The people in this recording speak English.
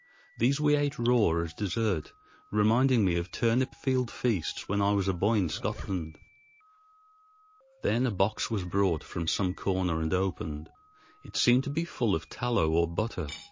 These we ate raw as dessert, reminding me of turnip field feasts when I was a boy in Scotland. Then a box was brought from some corner and opened. It seemed to be full of tallow or butter.